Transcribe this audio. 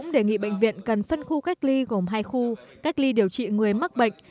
đề nghị bệnh viện cần phân khu cách ly gồm hai khu cách ly điều trị người mắc bệnh